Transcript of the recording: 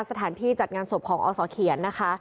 สถานที่จัดงานศพของอศเขียนนะคะ